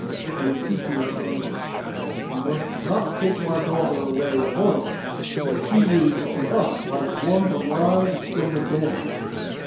Then Cepheus said, 'You must not take my daughter away at once, for she is to us like one alive from the dead.